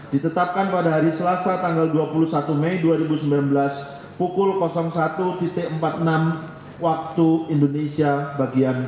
ditetapkan pada hari selasa tanggal dua puluh satu mei dua ribu sembilan belas pukul satu empat puluh enam waktu indonesia bagian